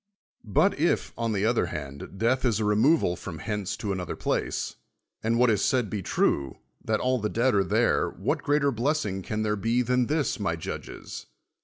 But if, on the other hand, death is a removal from hence to another place, and what is said be true, that all the dead are there, what greater blessing can there be than this, m.y judges?